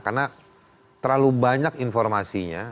karena terlalu banyak informasinya